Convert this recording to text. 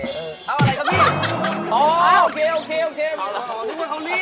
เอาอะไรครับพี่